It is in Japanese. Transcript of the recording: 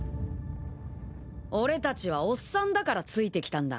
俺たちはおっさんだからついてきたんだ。